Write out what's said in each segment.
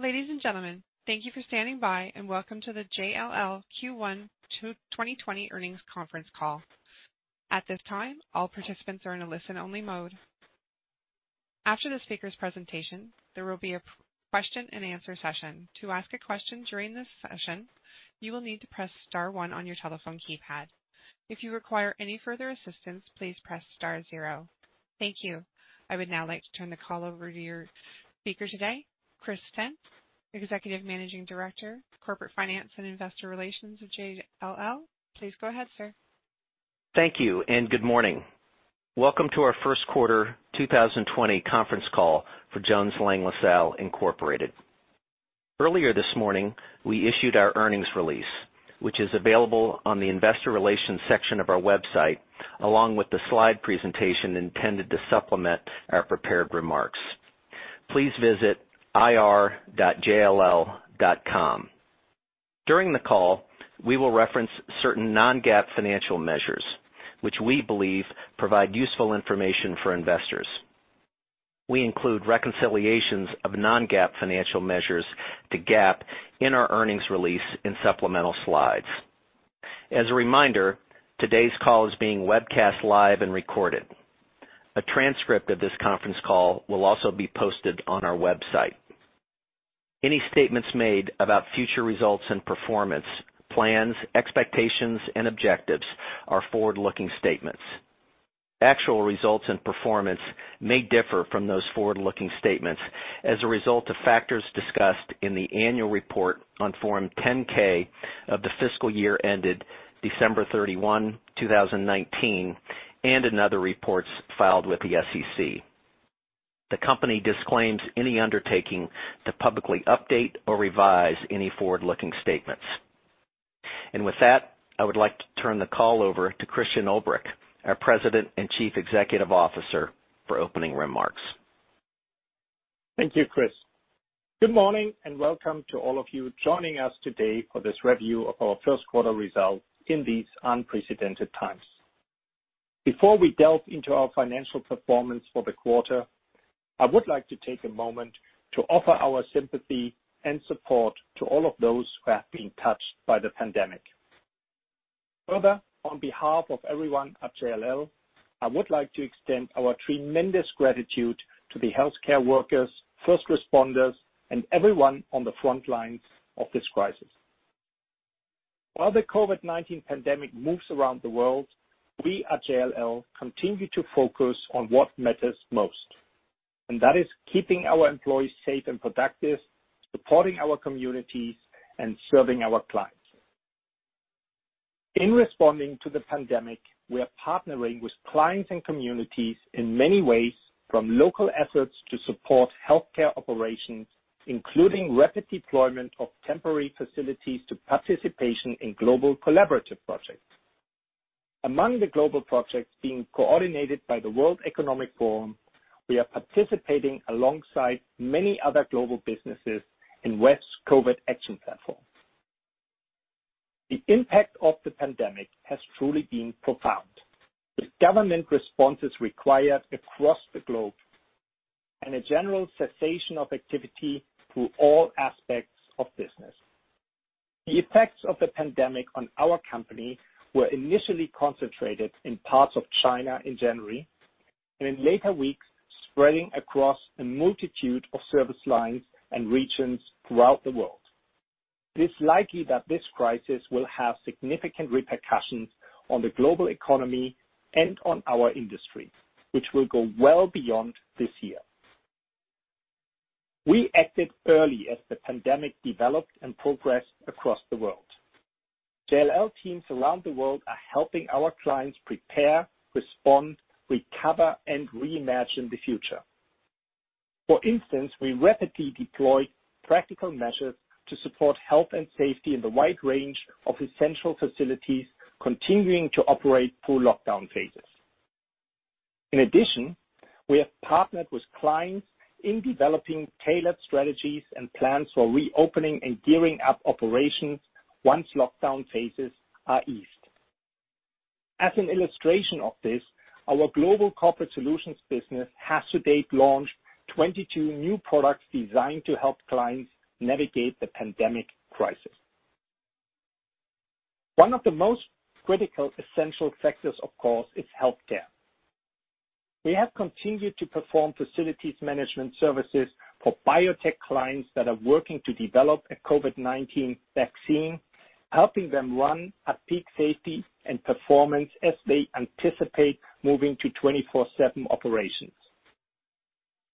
Ladies and gentlemen, thank you for standing by and welcome to the JLL Q1 2020 Earnings Conference Call. At this time, all participants are in a listen-only mode. After the speaker's presentation, there will be a question-and-answer session. To ask a question during this session, you will need to press star one on your telephone keypad. If you require any further assistance, please press star zero. Thank you. I would now like to turn the call over to your speaker today, Chris Stent, Executive Managing Director of Corporate Finance and Investor Relations with JLL. Please go ahead, sir. Thank you, and good morning. Welcome to our First Quarter 2020 Conference Call for Jones Lang LaSalle Incorporated. Earlier this morning, we issued our earnings release, which is available on the investor relations section of our website, along with the slide presentation intended to supplement our prepared remarks. Please visit ir.jll.com. During the call, we will reference certain non-GAAP financial measures which we believe provide useful information for investors. We include reconciliations of non-GAAP financial measures to GAAP in our earnings release in supplemental slides. As a reminder, today's call is being webcast live and recorded. A transcript of this conference call will also be posted on our website. Any statements made about future results and performance, plans, expectations, and objectives are forward-looking statements. Actual results and performance may differ from those forward-looking statements as a result of factors discussed in the annual report on Form 10-K of the fiscal year ended December 31, 2019, and in other reports filed with the SEC. The company disclaims any undertaking to publicly update or revise any forward-looking statements. With that, I would like to turn the call over to Christian Ulbrich, our President and Chief Executive Officer, for opening remarks. Thank you, Chris. Good morning and welcome to all of you joining us today for this review of our first quarter results in these unprecedented times. Before we delve into our financial performance for the quarter, I would like to take a moment to offer our sympathy and support to all of those who have been touched by the pandemic. Further, on behalf of everyone at JLL, I would like to extend our tremendous gratitude to the healthcare workers, first responders, and everyone on the front lines of this crisis. While the COVID-19 pandemic moves around the world, we at JLL continue to focus on what matters most, and that is keeping our employees safe and productive, supporting our communities, and serving our clients. In responding to the pandemic, we are partnering with clients and communities in many ways, from local efforts to support healthcare operations, including rapid deployment of temporary facilities to participation in global collaborative projects. Among the global projects being coordinated by the World Economic Forum, we are participating alongside many other global businesses in WEF's COVID Action Platform. The impact of the pandemic has truly been profound, with government responses required across the globe and a general cessation of activity through all aspects of business. The effects of the pandemic on our company were initially concentrated in parts of China in January, and in later weeks, spreading across a multitude of service lines and regions throughout the world. It is likely that this crisis will have significant repercussions on the global economy and on our industry, which will go well beyond this year. We acted early as the pandemic developed and progressed across the world. JLL teams around the world are helping our clients prepare, respond, recover, and reimagine the future. For instance, we rapidly deployed practical measures to support health and safety in the wide range of essential facilities continuing to operate through lockdown phases. In addition, we have partnered with clients in developing tailored strategies and plans for reopening and gearing up operations once lockdown phases are eased. As an illustration of this, our global corporate solutions business has to date launched 22 new products designed to help clients navigate the pandemic crisis. One of the most critical essential sectors, of course, is healthcare. We have continued to perform facilities management services for biotech clients that are working to develop a COVID-19 vaccine, helping them run at peak safety and performance as they anticipate moving to 24/7 operations.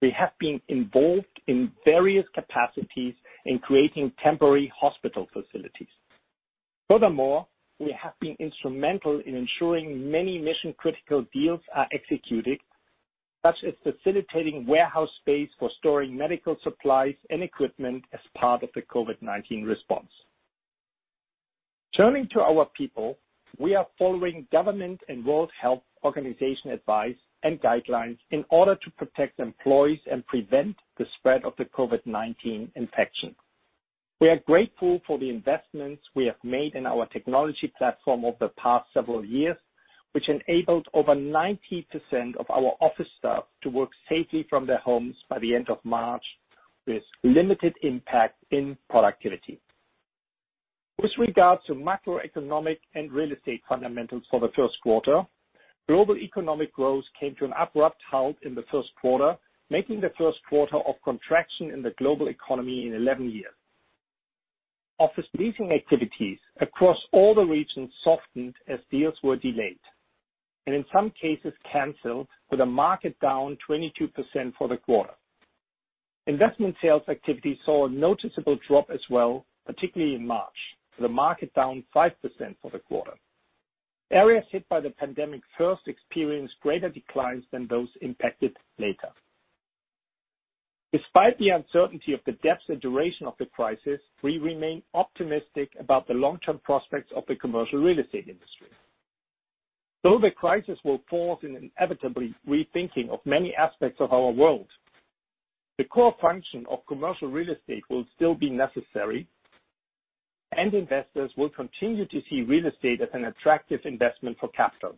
We have been involved in various capacities in creating temporary hospital facilities. We have been instrumental in ensuring many mission-critical deals are executed, such as facilitating warehouse space for storing medical supplies and equipment as part of the COVID-19 response. Turning to our people, we are following government and World Health Organization advice and guidelines in order to protect employees and prevent the spread of the COVID-19 infection. We are grateful for the investments we have made in our technology platform over the past several years, which enabled over 90% of our office staff to work safely from their homes by the end of March, with limited impact in productivity. With regards to macroeconomic and real estate fundamentals for the first quarter, global economic growth came to an abrupt halt in the first quarter, making the first quarter of contraction in the global economy in 11 years. Office leasing activities across all the regions softened as deals were delayed, and in some cases canceled, with the market down 22% for the quarter. Investment sales activity saw a noticeable drop as well, particularly in March, with the market down 5% for the quarter. Areas hit by the pandemic first experienced greater declines than those impacted later. Despite the uncertainty of the depth and duration of the crisis, we remain optimistic about the long-term prospects of the commercial real estate industry. Though the crisis will force an inevitably rethinking of many aspects of our world, the core function of commercial real estate will still be necessary, and investors will continue to see real estate as an attractive investment for capital.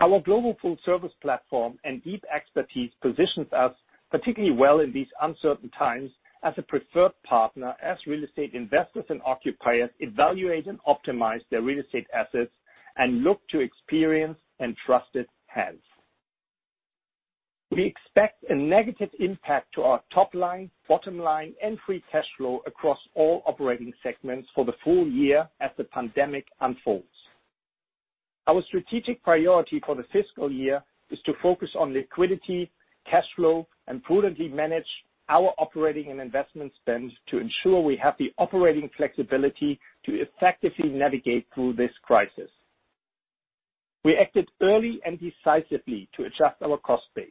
Our global full-service platform and deep expertise positions us particularly well in these uncertain times as a preferred partner as real estate investors and occupiers evaluate and optimize their real estate assets and look to experienced and trusted hands. We expect a negative impact to our top line, bottom line, and free cash flow across all operating segments for the full year as the pandemic unfolds. Our strategic priority for the fiscal year is to focus on liquidity, cash flow, and prudently manage our operating and investment spend to ensure we have the operating flexibility to effectively navigate through this crisis. We acted early and decisively to adjust our cost base.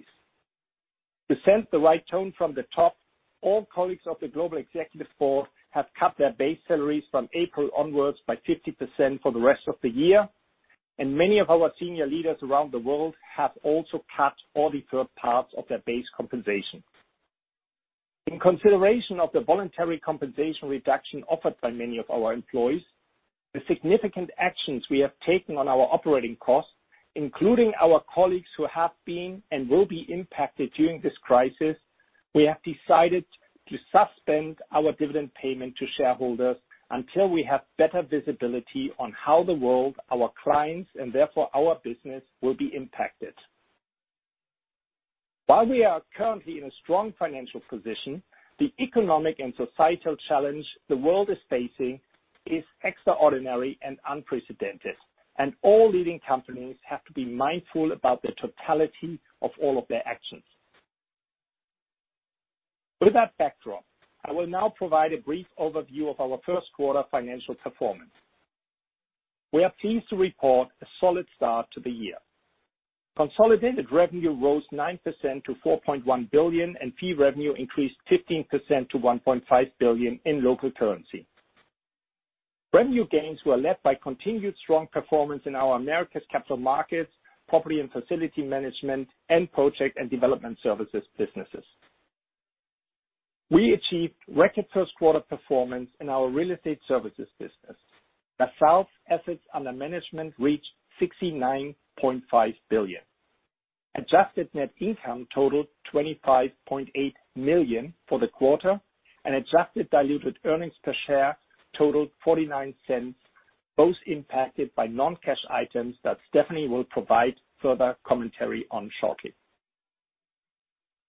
To set the right tone from the top, all colleagues of the Global Executive Board have cut their base salaries from April onwards by 50% for the rest of the year, and many of our senior leaders around the world have also cut or deferred parts of their base compensation. In consideration of the voluntary compensation reduction offered by many of our employees, the significant actions we have taken on our operating costs, including our colleagues who have been and will be impacted during this crisis, we have decided to suspend our dividend payment to shareholders until we have better visibility on how the world, our clients, and therefore, our business, will be impacted. While we are currently in a strong financial position, the economic and societal challenge the world is facing is extraordinary and unprecedented, and all leading companies have to be mindful about the totality of all of their actions. With that backdrop, I will now provide a brief overview of our first quarter financial performance. We are pleased to report a solid start to the year. Consolidated revenue rose 9% to $4.1 billion, and fee revenue increased 15% to $1.5 billion in local currency. Revenue gains were led by continued strong performance in our Americas capital markets, property and facility management, and project and development services businesses. We achieved record first quarter performance in our real estate services business. LaSalle's assets under management reached $69.5 billion. Adjusted net income totaled $25.8 million for the quarter, and adjusted diluted earnings per share totaled $0.49, both impacted by non-cash items that Stephanie will provide further commentary on shortly.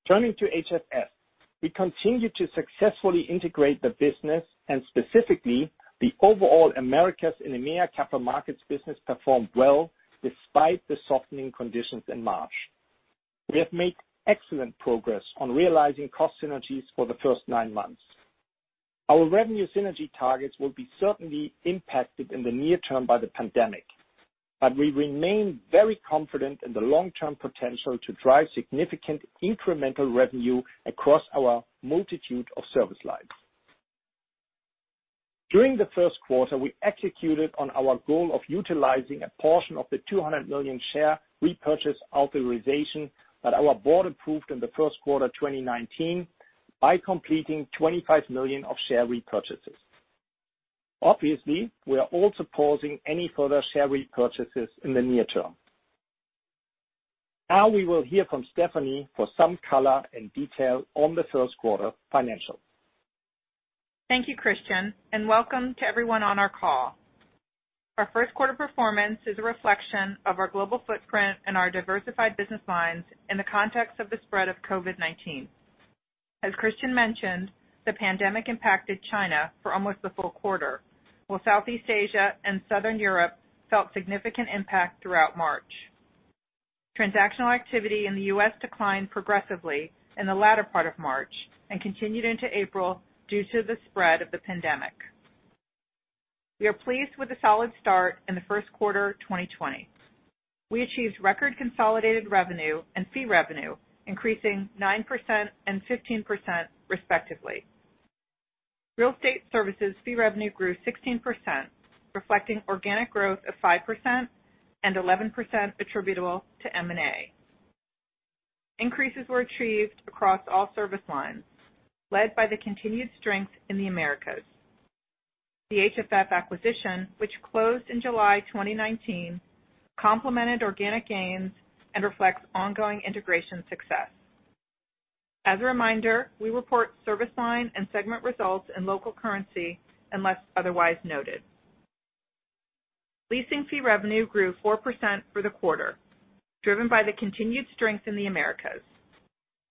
Turning to HFF, we continue to successfully integrate the business and specifically the overall Americas and EMEA capital markets business performed well despite the softening conditions in March. We have made excellent progress on realizing cost synergies for the first nine months. Our revenue synergy targets will be certainly impacted in the near term by the pandemic, but we remain very confident in the long-term potential to drive significant incremental revenue across our multitude of service lines. During the first quarter, we executed on our goal of utilizing a portion of the $200 million share repurchase authorization that our board approved in the first quarter of 2019 by completing $25 million of share repurchases. Obviously, we are also pausing any further share repurchases in the near term. We will hear from Stephanie for some color and detail on the first quarter financials. Thank you, Christian. Welcome to everyone on our call. Our first quarter performance is a reflection of our global footprint and our diversified business lines in the context of the spread of COVID-19. As Christian mentioned, the pandemic impacted China for almost the full quarter, while Southeast Asia and Southern Europe felt significant impact throughout March. Transactional activity in the U.S. declined progressively in the latter part of March and continued into April due to the spread of the pandemic. We are pleased with the solid start in the first quarter 2020. We achieved record consolidated revenue and fee revenue, increasing 9% and 15% respectively. Real estate services fee revenue grew 16%, reflecting organic growth of 5% and 11% attributable to M&A. Increases were achieved across all service lines, led by the continued strength in the Americas. The HFF acquisition, which closed in July 2019, complemented organic gains and reflects ongoing integration success. As a reminder, we report service line and segment results in local currency, unless otherwise noted. Leasing fee revenue grew 4% for the quarter, driven by the continued strength in the Americas.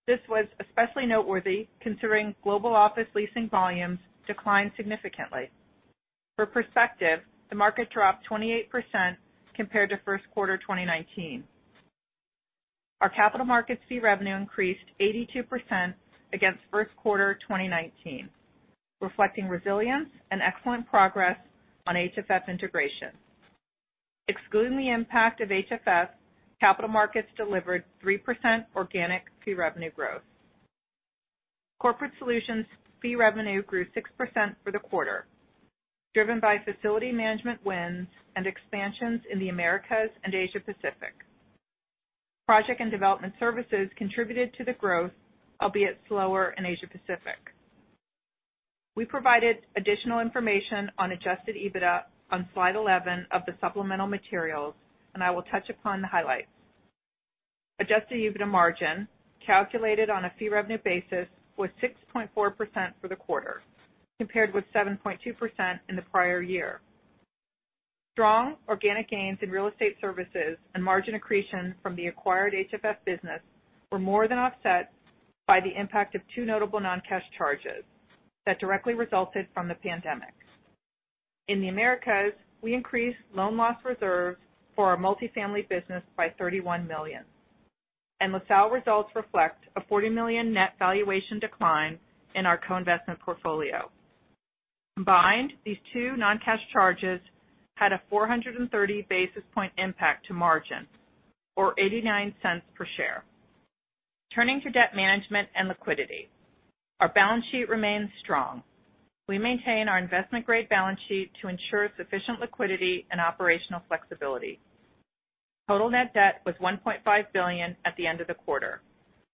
This was especially noteworthy considering global office leasing volumes declined significantly. For perspective, the market dropped 28% compared to first quarter 2019. Our capital markets fee revenue increased 82% against first quarter 2019, reflecting resilience and excellent progress on HFF integration. Excluding the impact of HFF, capital markets delivered 3% organic fee revenue growth. Corporate solutions fee revenue grew 6% for the quarter, driven by facility management wins and expansions in the Americas and Asia Pacific. Project and development services contributed to the growth, albeit slower in Asia Pacific. We provided additional information on adjusted EBITDA on slide 11 of the supplemental materials, and I will touch upon the highlights. Adjusted EBITDA margin, calculated on a fee revenue basis, was 6.4% for the quarter, compared with 7.2% in the prior year. Strong organic gains in real estate services and margin accretion from the acquired HFF business were more than offset by the impact of two notable non-cash charges that directly resulted from the pandemic. In the Americas, we increased loan loss reserves for our multifamily business by $31 million, and LaSalle results reflect a $40 million net valuation decline in our co-investment portfolio. Combined, these two non-cash charges had a 430 basis point impact to margin or $0.89 per share. Turning to debt management and liquidity. Our balance sheet remains strong. We maintain our investment-grade balance sheet to ensure sufficient liquidity and operational flexibility. Total net debt was $1.5 billion at the end of the quarter,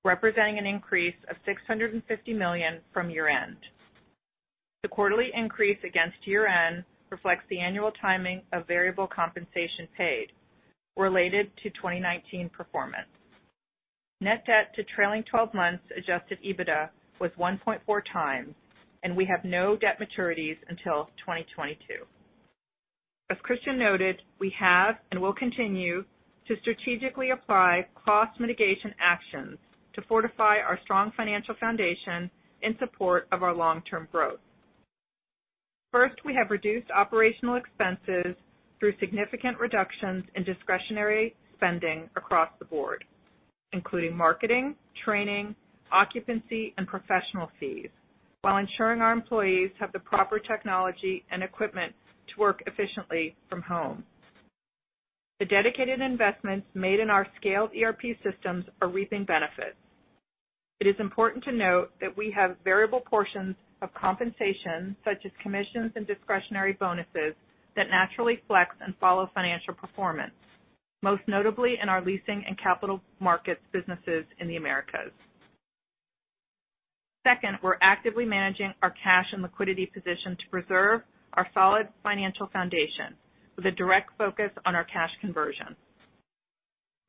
representing an increase of $650 million from year-end. The quarterly increase against year-end reflects the annual timing of variable compensation paid related to 2019 performance. Net debt to trailing 12 months adjusted EBITDA was 1.4x, and we have no debt maturities until 2022. As Christian noted, we have and will continue to strategically apply cost mitigation actions to fortify our strong financial foundation in support of our long-term growth. First, we have reduced operational expenses through significant reductions in discretionary spending across the board, including marketing, training, occupancy, and professional fees, while ensuring our employees have the proper technology and equipment to work efficiently from home. The dedicated investments made in our scaled ERP systems are reaping benefits. It is important to note that we have variable portions of compensation, such as commissions and discretionary bonuses, that naturally flex and follow financial performance, most notably in our leasing and capital markets businesses in the Americas. Second, we're actively managing our cash and liquidity position to preserve our solid financial foundation with a direct focus on our cash conversion.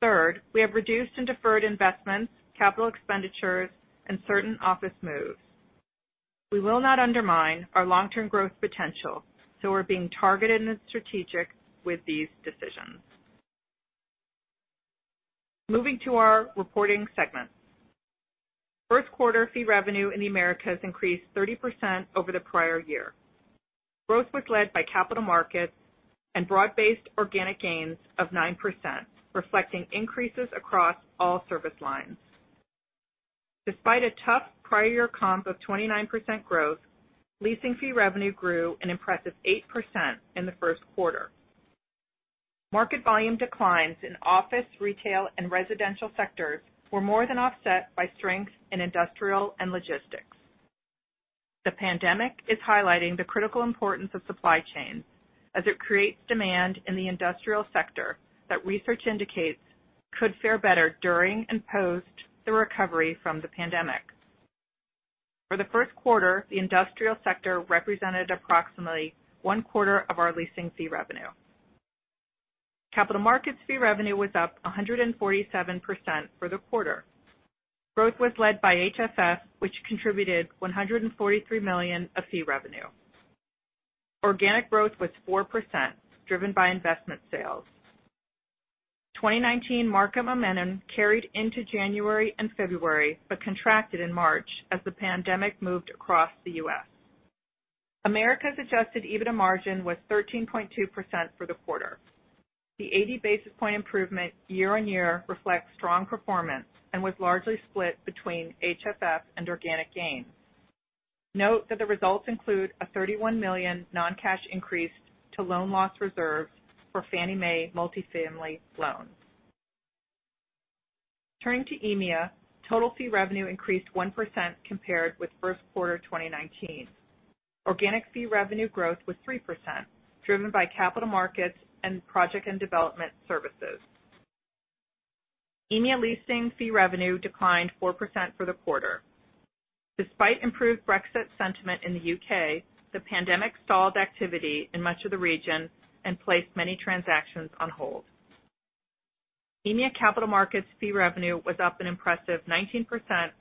Third, we have reduced and deferred investments, capital expenditures, and certain office moves. We will not undermine our long-term growth potential, so we're being targeted and strategic with these decisions. Moving to our reporting segments. First quarter fee revenue in the Americas increased 30% over the prior year. Growth was led by capital markets and broad-based organic gains of 9%, reflecting increases across all service lines. Despite a tough prior year comp of 29% growth, leasing fee revenue grew an impressive 8% in the first quarter. Market volume declines in office, retail, and residential sectors were more than offset by strength in industrial and logistics. The pandemic is highlighting the critical importance of supply chain as it creates demand in the industrial sector that research indicates could fare better during and post the recovery from the pandemic. For the first quarter, the industrial sector represented approximately one quarter of our leasing fee revenue. Capital markets fee revenue was up 147% for the quarter. Growth was led by HFF, which contributed $143 million of fee revenue. Organic growth was 4%, driven by investment sales. 2019 market momentum carried into January and February, but contracted in March as the pandemic moved across the U.S. Americas adjusted EBITDA margin was 13.2% for the quarter. The 80 basis point improvement year-over-year reflects strong performance and was largely split between HFF and organic gains. Note that the results include a $31 million non-cash increase to loan loss reserves for Fannie Mae multifamily loans. Turning to EMEA, total fee revenue increased 1% compared with first quarter 2019. Organic fee revenue growth was 3%, driven by capital markets and project and development services. EMEA leasing fee revenue declined 4% for the quarter. Despite improved Brexit sentiment in the U.K., the pandemic stalled activity in much of the region and placed many transactions on hold. EMEA capital markets fee revenue was up an impressive 19%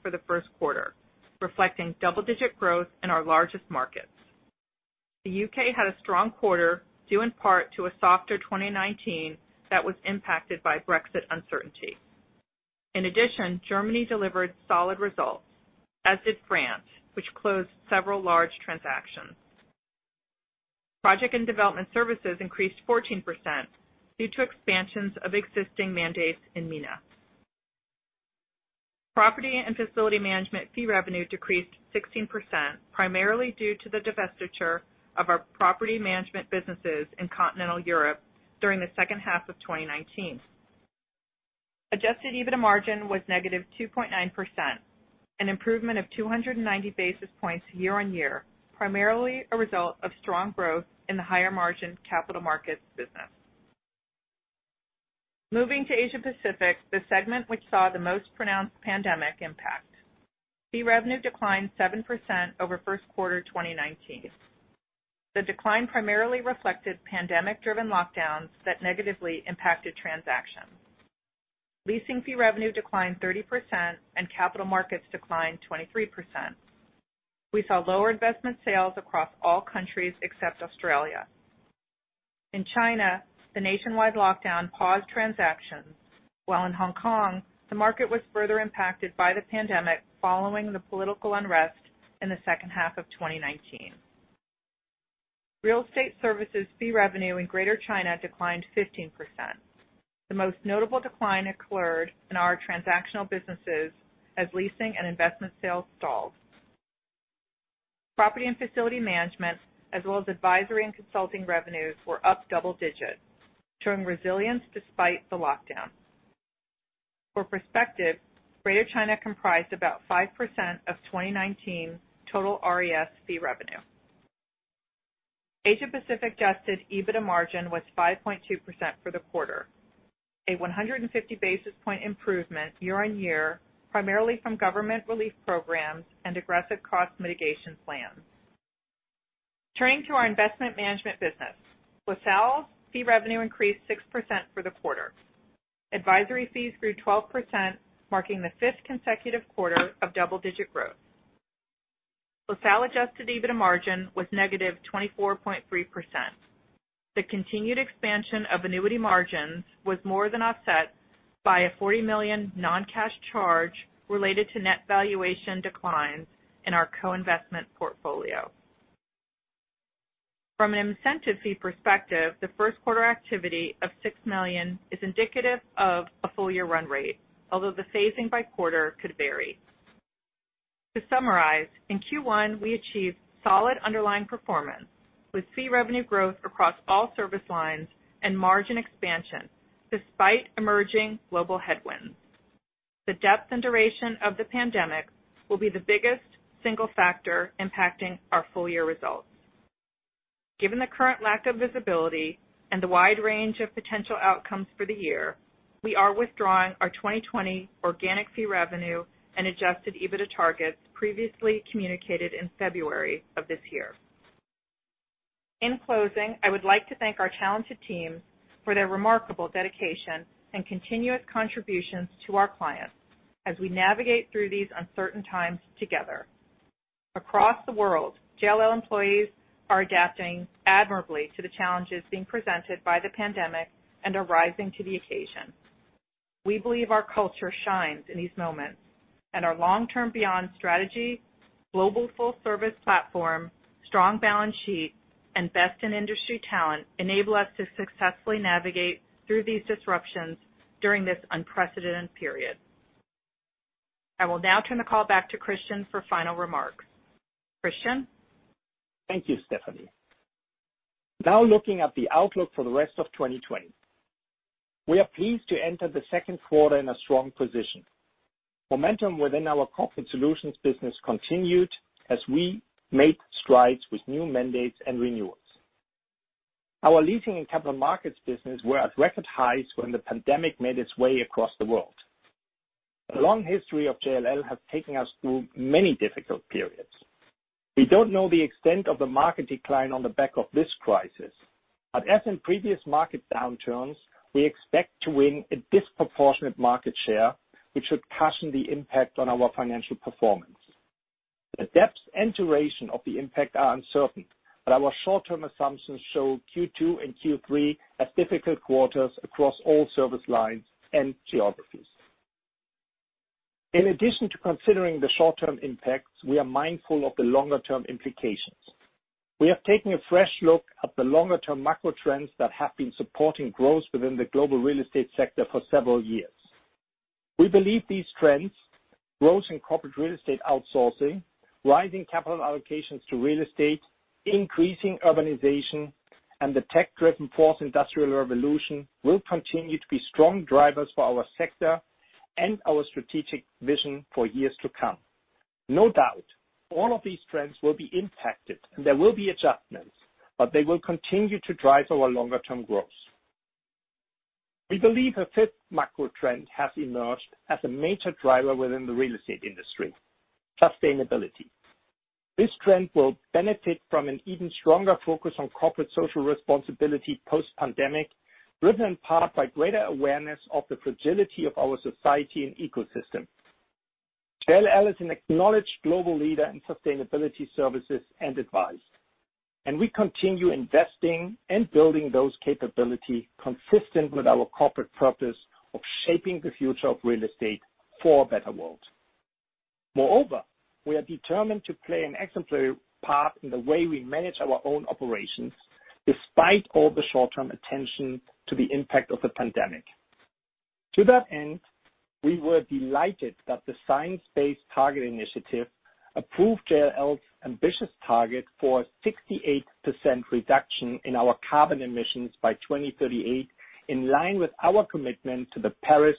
for the first quarter, reflecting double-digit growth in our largest markets. The U.K. had a strong quarter, due in part to a softer 2019 that was impacted by Brexit uncertainty. Germany delivered solid results, as did France, which closed several large transactions. Project and development services increased 14% due to expansions of existing mandates in MENA. Property and facility management fee revenue decreased 16%, primarily due to the divestiture of our property management businesses in continental Europe during the second half of 2019. Adjusted EBITDA margin was -2.9%, an improvement of 290 basis points year-on-year, primarily a result of strong growth in the higher margin capital markets business. Moving to Asia Pacific, the segment which saw the most pronounced pandemic impact. Fee revenue declined 7% over first quarter 2019. The decline primarily reflected pandemic-driven lockdowns that negatively impacted transactions. Leasing fee revenue declined 30% and capital markets declined 23%. We saw lower investment sales across all countries except Australia. In China, the nationwide lockdown paused transactions, while in Hong Kong, the market was further impacted by the pandemic following the political unrest in the second half of 2019. Real estate services fee revenue in Greater China declined 15%. The most notable decline occurred in our transactional businesses as leasing and investment sales stalled. Property and facility management, as well as advisory and consulting revenues were up double digits, showing resilience despite the lockdown. For perspective, Greater China comprised about 5% of 2019 total RES fee revenue. Asia Pacific adjusted EBITDA margin was 5.2% for the quarter, a 150 basis point improvement year-on-year, primarily from government relief programs and aggressive cost mitigation plans. Turning to our investment management business. LaSalle fee revenue increased 6% for the quarter. Advisory fees grew 12%, marking the fifth consecutive quarter of double-digit growth. LaSalle adjusted EBITDA margin was -24.3%. The continued expansion of annuity margins was more than offset by a $40 million non-cash charge related to net valuation declines in our co-investment portfolio. From an incentive fee perspective, the first quarter activity of $6 million is indicative of a full year run rate, although the phasing by quarter could vary. To summarize, in Q1, we achieved solid underlying performance with fee revenue growth across all service lines and margin expansion despite emerging global headwinds. The depth and duration of the pandemic will be the biggest single factor impacting our full-year results. Given the current lack of visibility and the wide range of potential outcomes for the year, we are withdrawing our 2020 organic fee revenue and adjusted EBITDA targets previously communicated in February of this year. In closing, I would like to thank our talented teams for their remarkable dedication and continuous contributions to our clients as we navigate through these uncertain times together. Across the world, JLL employees are adapting admirably to the challenges being presented by the pandemic and are rising to the occasion. We believe our culture shines in these moments and our long-term beyond strategy, global full service platform, strong balance sheet, and best-in-industry talent enable us to successfully navigate through these disruptions during this unprecedented period. I will now turn the call back to Christian for final remarks. Christian? Thank you, Stephanie. Now looking at the outlook for the rest of 2020. We are pleased to enter the second quarter in a strong position. Momentum within our Corporate Solutions business continued as we made strides with new mandates and renewals. Our leasing and Capital Markets business were at record highs when the pandemic made its way across the world. The long history of JLL has taken us through many difficult periods. We don't know the extent of the market decline on the back of this crisis, but as in previous market downturns, we expect to win a disproportionate market share, which should cushion the impact on our financial performance. The depth and duration of the impact are uncertain, but our short-term assumptions show Q2 and Q3 as difficult quarters across all service lines and geographies. In addition to considering the short-term impacts, we are mindful of the longer-term implications. We have taken a fresh look at the longer-term macro trends that have been supporting growth within the global real estate sector for several years. We believe these trends, growth in corporate real estate outsourcing, rising capital allocations to real estate, increasing urbanization, and the tech-driven fourth industrial revolution will continue to be strong drivers for our sector and our strategic vision for years to come. No doubt, all of these trends will be impacted, and there will be adjustments, but they will continue to drive our longer-term growth. We believe a fifth macro trend has emerged as a major driver within the real estate industry, sustainability. This trend will benefit from an even stronger focus on corporate social responsibility post-pandemic, driven in part by greater awareness of the fragility of our society and ecosystem. JLL is an acknowledged global leader in sustainability services and advice. We continue investing in building those capabilities consistent with our corporate purpose of shaping the future of real estate for a better world. Moreover, we are determined to play an exemplary part in the way we manage our own operations despite all the short-term attention to the impact of the pandemic. To that end, we were delighted that the Science Based Targets initiative approved JLL's ambitious target for a 68% reduction in our carbon emissions by 2038, in line with our commitment to the Paris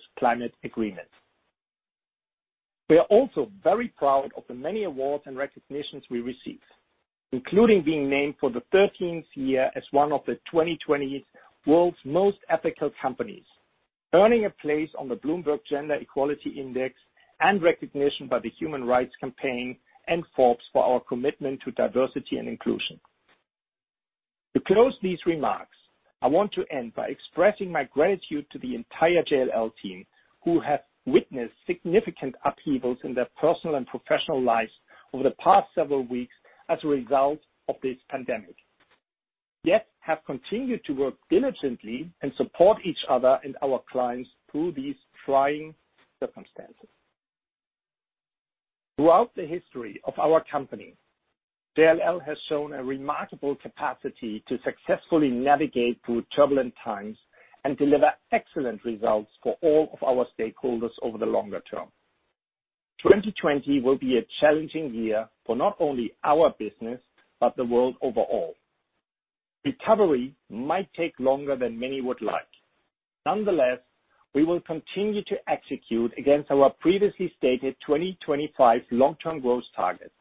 Agreement. We are also very proud of the many awards and recognitions we received, including being named for the 13th year as one of the 2020 World's Most Ethical Companies, earning a place on the Bloomberg Gender-Equality Index, and recognition by the Human Rights Campaign and Forbes for our commitment to diversity and inclusion. To close these remarks, I want to end by expressing my gratitude to the entire JLL team who have witnessed significant upheavals in their personal and professional lives over the past several weeks as a result of this pandemic. Yet have continued to work diligently and support each other and our clients through these trying circumstances. Throughout the history of our company, JLL has shown a remarkable capacity to successfully navigate through turbulent times and deliver excellent results for all of our stakeholders over the longer term. 2020 will be a challenging year for not only our business but the world overall. Recovery might take longer than many would like. Nonetheless, we will continue to execute against our previously stated 2025 long-term growth targets.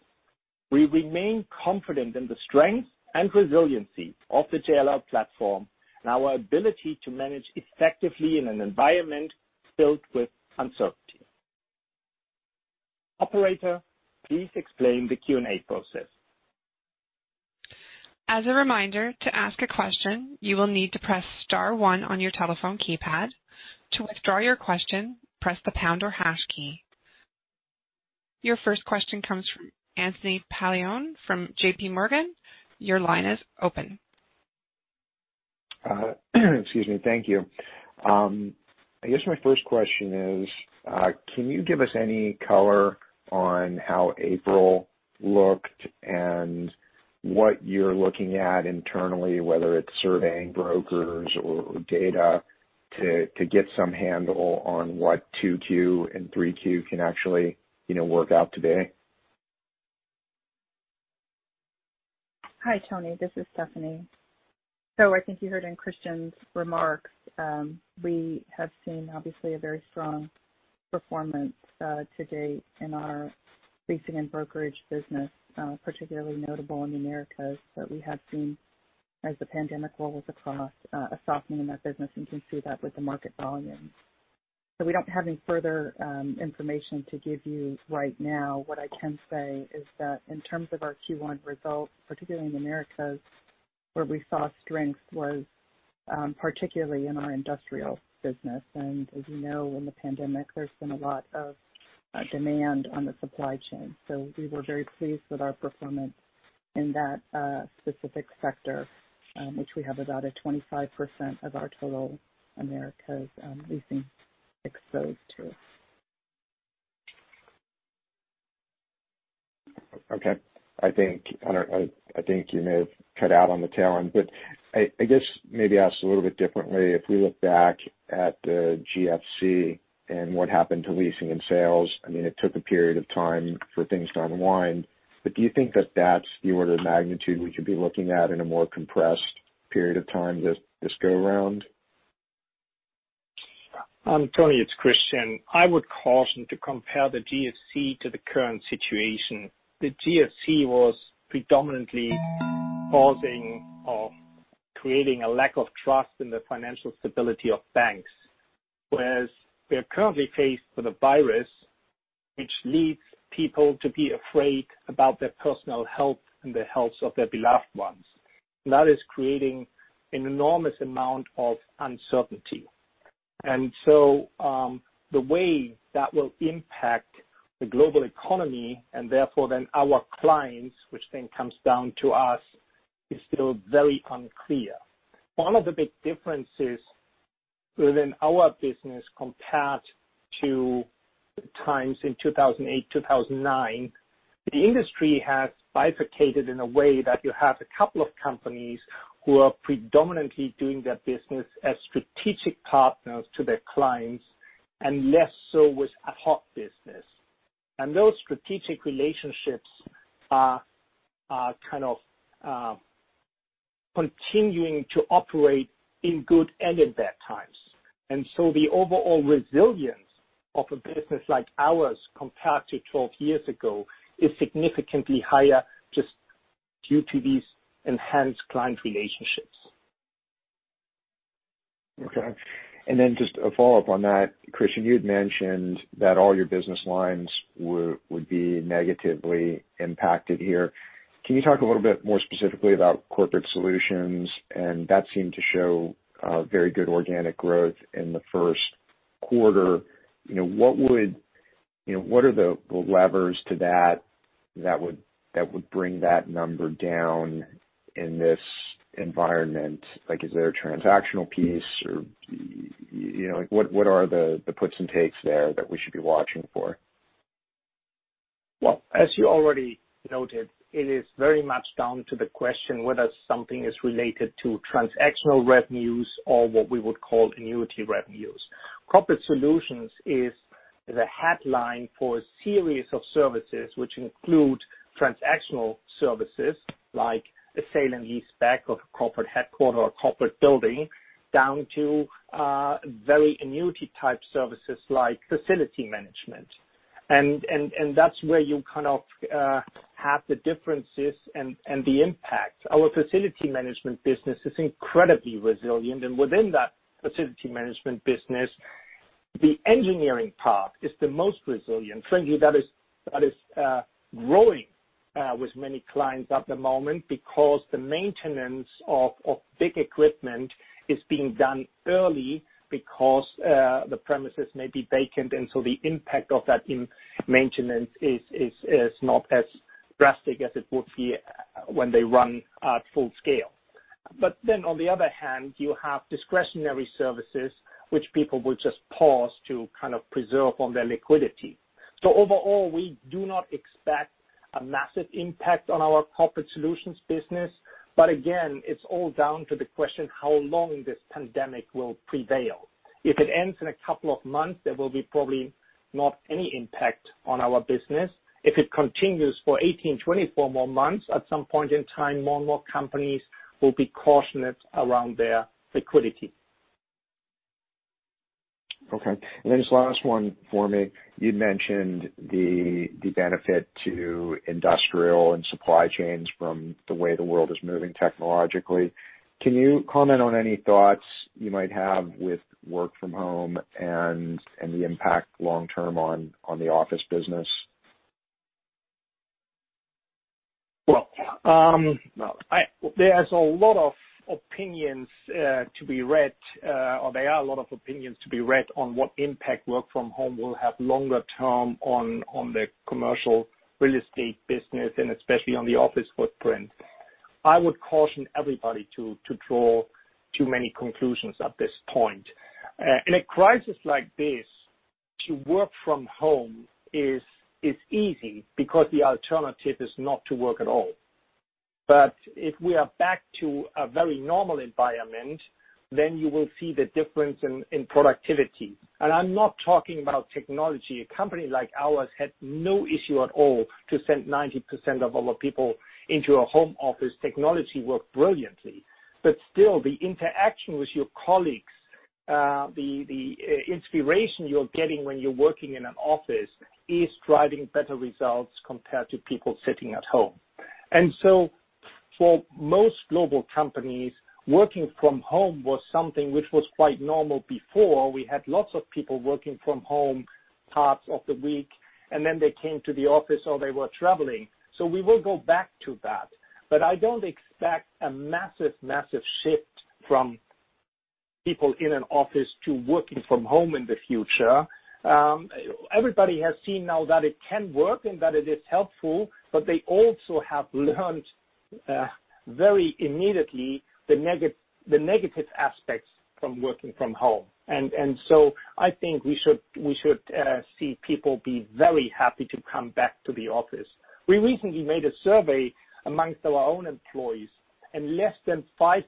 We remain confident in the strength and resiliency of the JLL platform and our ability to manage effectively in an environment filled with uncertainty. Operator, please explain the Q&A process. As a reminder, to ask a question, you will need to press star one on your telephone keypad. To withdraw your question, press the star or hash key. Your first question comes from Anthony Paolone from JPMorgan. Your line is open. Excuse me. Thank you. I guess my first question is, can you give us any color on how April looked and what you're looking at internally, whether it's surveying brokers or data to get some handle on what 2Q and 3Q can actually work out today? Hi, Tony. This is Stephanie. I think you heard in Christian's remarks, we have seen obviously a very strong performance to date in our leasing and brokerage business, particularly notable in Americas, but we have seen as the pandemic rolls across a softening in that business, and can see that with the market volumes. We don't have any further information to give you right now. What I can say is that in terms of our Q1 results, particularly in Americas, where we saw strength was particularly in our industrial business. As you know, in the pandemic, there's been a lot of demand on the supply chain. We were very pleased with our performance in that specific sector, which we have about 25% of our total Americas leasing exposed to. Okay. I think you may have cut out on the tail end, I guess maybe asked a little bit differently, if we look back at the GFC and what happened to leasing and sales, I mean, it took a period of time for things to unwind, do you think that that's the order of magnitude we should be looking at in a more compressed period of time this go around? Tony, it's Christian. I would caution to compare the GFC to the current situation. The GFC was predominantly causing or creating a lack of trust in the financial stability of banks. Whereas we are currently faced with a virus, which leads people to be afraid about their personal health and the health of their beloved ones. That is creating an enormous amount of uncertainty. The way that will impact the global economy and therefore then our clients, which then comes down to us, is still very unclear. One of the big differences within our business compared to times in 2008, 2009, the industry has bifurcated in a way that you have a couple of companies who are predominantly doing their business as strategic partners to their clients and less so with ad hoc business. Those strategic relationships are continuing to operate in good and in bad times. The overall resilience of a business like ours compared to 12 years ago is significantly higher just due to these enhanced client relationships. Okay. Then just a follow-up on that, Christian, you had mentioned that all your business lines would be negatively impacted here. Can you talk a little bit more specifically about Corporate Solutions? That seemed to show very good organic growth in the first quarter. What are the levers to that would bring that number down in this environment? Is there a transactional piece, or what are the puts and takes there that we should be watching for? Well, as you already noted, it is very much down to the question whether something is related to transactional revenues or what we would call annuity revenues. Corporate Solutions is a headline for a series of services which include transactional services like a sale and leaseback of a corporate headquarter or corporate building, down to very annuity-type services like facility management. That's where you kind of have the differences and the impact. Our facility management business is incredibly resilient, and within that facility management business, the engineering part is the most resilient. Frankly, that is growing with many clients at the moment because the maintenance of big equipment is being done early because the premises may be vacant, and so the impact of that in maintenance is not as drastic as it would be when they run at full scale. On the other hand, you have discretionary services which people will just pause to kind of preserve on their liquidity. Overall, we do not expect a massive impact on our Corporate Solutions business. Again, it's all down to the question, how long this pandemic will prevail. If it ends in a couple of months, there will be probably not any impact on our business. If it continues for 18, 24 more months, at some point in time, more and more companies will be cautious around their liquidity. Okay. This last one for me. You mentioned the benefit to industrial and supply chains from the way the world is moving technologically. Can you comment on any thoughts you might have with work from home and the impact long-term on the office business? Well, there are a lot of opinions to be read on what impact work from home will have longer term on the commercial real estate business and especially on the office footprint. I would caution everybody to draw too many conclusions at this point. In a crisis like this, to work from home is easy because the alternative is not to work at all. If we are back to a very normal environment, then you will see the difference in productivity. I'm not talking about technology. A company like ours had no issue at all to send 90% of all our people into a home office. Technology worked brilliantly. Still, the interaction with your colleagues, the inspiration you're getting when you're working in an office is driving better results compared to people sitting at home. For most global companies, working from home was something which was quite normal before. We had lots of people working from home parts of the week, and then they came to the office or they were traveling. We will go back to that. I don't expect a massive shift from people in an office to working from home in the future. Everybody has seen now that it can work and that it is helpful, but they also have learned very immediately the negative aspects from working from home. I think we should see people be very happy to come back to the office. We recently made a survey amongst our own employees, and less than 5%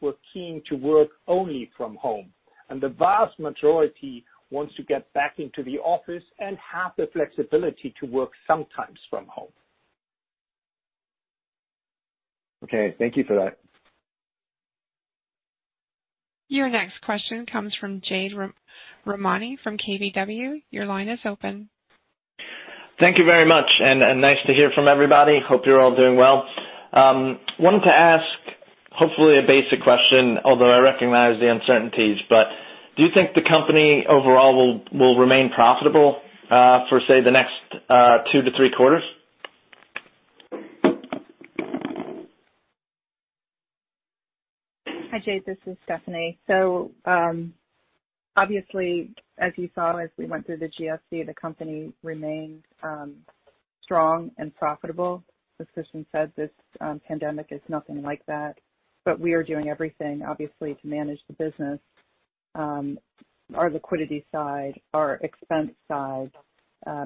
were keen to work only from home. The vast majority wants to get back into the office and have the flexibility to work sometimes from home. Okay. Thank you for that. Your next question comes from Jade Rahmani from KBW. Your line is open. Thank you very much, nice to hear from everybody. Hope you're all doing well. Wanted to ask, hopefully, a basic question, although I recognize the uncertainties. Do you think the company overall will remain profitable for, say, the next two to three quarters? Hi, Jade. This is Stephanie. Obviously, as you saw as we went through the GFC, the company remained strong and profitable. As Christian said, this pandemic is nothing like that. We are doing everything, obviously, to manage the business, our liquidity side, our expense side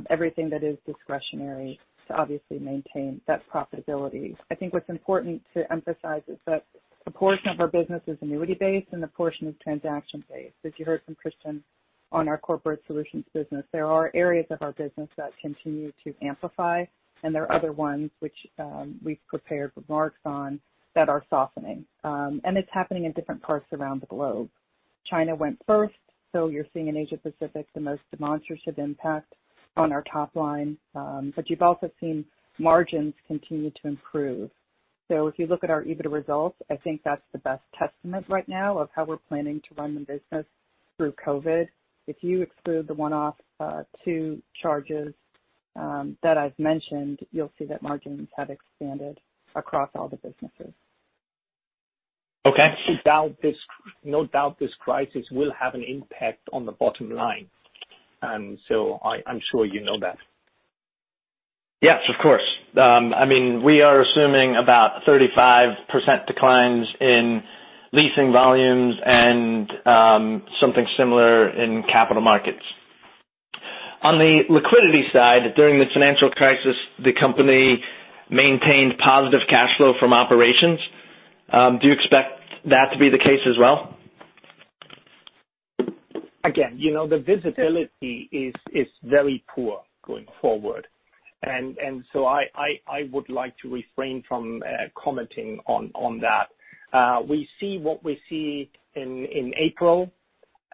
everything that is discretionary to obviously maintain that profitability. I think what's important to emphasize is that a portion of our business is annuity-based and a portion is transaction-based, as you heard from Christian on our Corporate Solutions business. There are areas of our business that continue to amplify, and there are other ones which we've prepared remarks on that are softening. It's happening in different parts around the globe. China went first. You're seeing in Asia Pacific the most demonstrative impact on our top line. You've also seen margins continue to improve. If you look at our EBITDA results, I think that's the best testament right now of how we're planning to run the business through COVID-19. If you exclude the one-off two charges that I've mentioned, you'll see that margins have expanded across all the businesses. Okay. No doubt this crisis will have an impact on the bottom line, and so I'm sure you know that. Yes, of course. We are assuming about 35% declines in leasing volumes and something similar in capital markets. On the liquidity side, during the financial crisis, the company maintained positive cash flow from operations. Do you expect that to be the case as well? Again, the visibility is very poor going forward. I would like to refrain from commenting on that. We see what we see in April.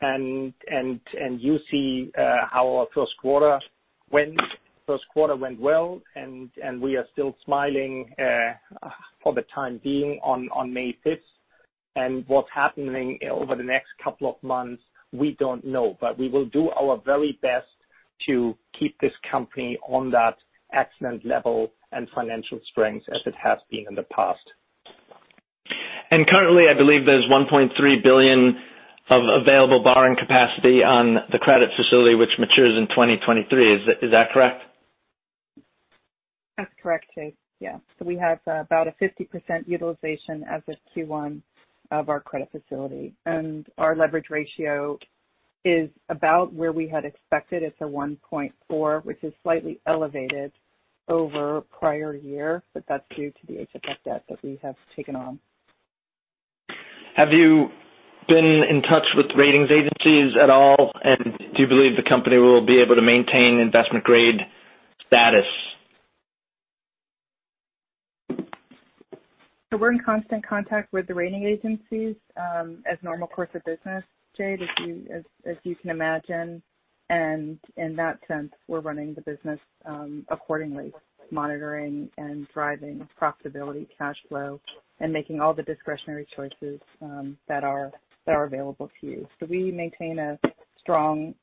You see how our first quarter went. First quarter went well, and we are still smiling for the time being on May 5th. What's happening over the next couple of months, we don't know, but we will do our very best to keep this company on that excellent level and financial strength as it has been in the past. Currently, I believe there's $1.3 billion of available borrowing capacity on the credit facility which matures in 2023. Is that correct? That's correct, Jade. Yeah. We have about a 50% utilization as of Q1 of our credit facility. Our leverage ratio is about where we had expected. It's a 1.4, which is slightly elevated over prior year. That's due to the HFF debt that we have taken on. Have you been in touch with ratings agencies at all? Do you believe the company will be able to maintain investment grade status? We're in constant contact with the rating agencies, as normal course of business, Jade, as you can imagine. In that sense, we're running the business accordingly, monitoring and driving profitability, cash flow, and making all the discretionary choices that are available to you. We maintain a strong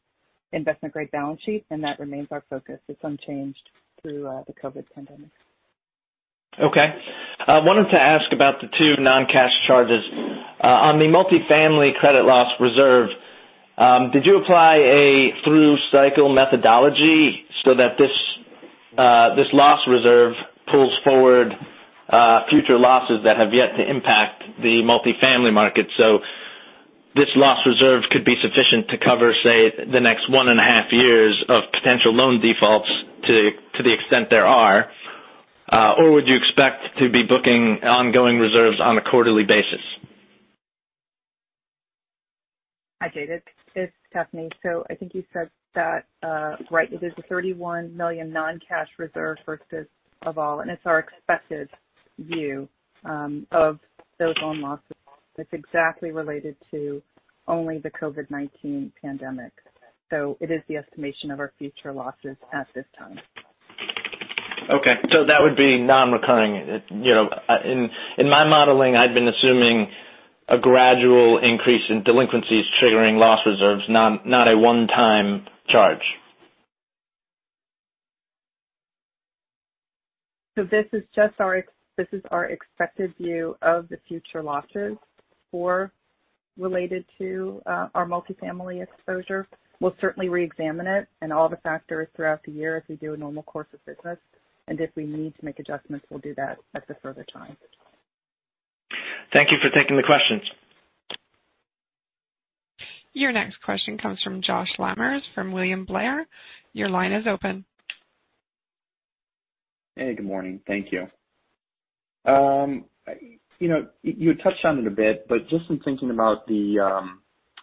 investment-grade balance sheet, and that remains our focus. It's unchanged through the COVID pandemic. Okay. I wanted to ask about the two non-cash charges. On the multifamily credit loss reserve, did you apply a through-cycle methodology so that this loss reserve pulls forward future losses that have yet to impact the multifamily market? This loss reserve could be sufficient to cover, say, the next one and a half years of potential loan defaults to the extent there are. Would you expect to be booking ongoing reserves on a quarterly basis? Hi, Jade. It's Stephanie. I think you said that right. It is a $31 million non-cash reserve versus of all, and it's our expected view of those loan losses. That's exactly related to only the COVID-19 pandemic. It is the estimation of our future losses at this time. Okay. That would be non-recurring. In my modeling, I'd been assuming a gradual increase in delinquencies triggering loss reserves, not a one-time charge. This is our expected view of the future losses related to our multifamily exposure. We'll certainly reexamine it and all the factors throughout the year as we do a normal course of business. If we need to make adjustments, we'll do that at the further time. Thank you for taking the questions. Your next question comes from Josh Lamers from William Blair. Your line is open. Hey, good morning. Thank you. Just in thinking about the